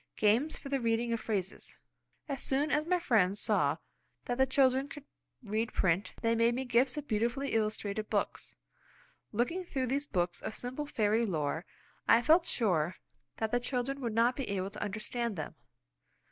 Games for the Reading of Phrases. As soon as my friends saw that the children could read print, they made me gifts of beautifully illustrated books. Looking through these books of simple fairy lore, I felt sure that the children would not be able to understand them.